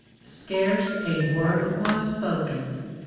Scarce a word was spoken.